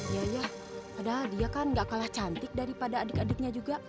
ya ya padahal dia kan gak kalah cantik daripada adik adiknya juga